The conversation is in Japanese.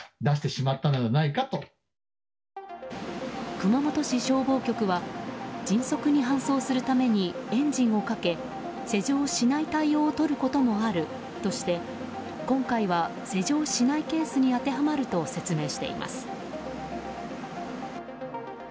熊本市消防局は迅速に搬送するためにエンジンをかけ施錠しない対応をとることもあるとして今回は、施錠しないケースに当てはまると説明しています。